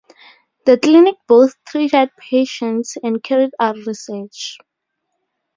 The clinic both treated patients and carried out research.